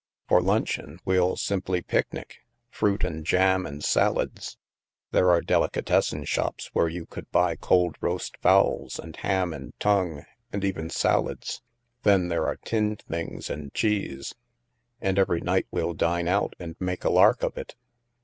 For luncheon we'll simply picnic — fruit and jam and salads. There are delicatessen shops where you can buy cold roast fowls, and ham, and tongue, and even salads. Then there are tinned things and cheese. And every night we'll dine out and make a lark of it."